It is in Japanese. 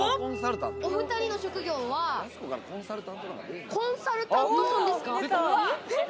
お２人の職業はコンサルタントさんですか？